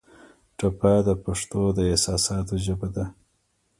ټپه د پښتو د احساساتو ژبه ده.